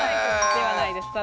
ではないです。